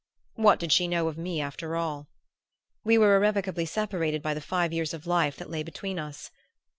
What did she know of me, after all? We were irrevocably separated by the five years of life that lay between us.